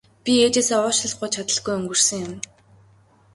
Би ээжээсээ уучлалт гуйж чадалгүй өнгөрсөн юм.